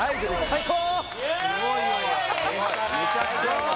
最高！